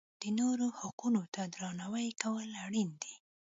د نورو حقونو ته درناوی کول اړین دي.